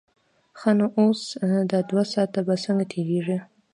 ښه نو اوس دا دوه ساعته به څنګه تېرېږي.